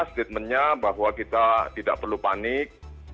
statementnya bahwa kita tidak perlu panik